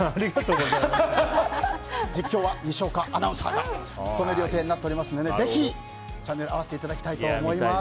実況は西岡アナウンサーが務める予定ですのでぜひ、チャンネルを合わせていただきたいと思います。